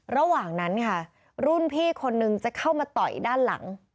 ระหว่างนั้นค่ะรุ่นพี่คนนึงจะเข้ามาต่อยด้านหลัง